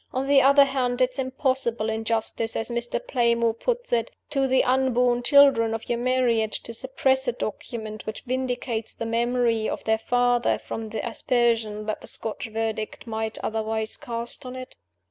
On the other hand, it is impossible, in justice (as Mr. Playmore puts it) to the unborn children of your marriage, to suppress a document which vindicates the memory of their father from the aspersion that the Scotch Verdict might otherwise cast on it."